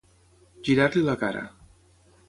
Girar-li la cara.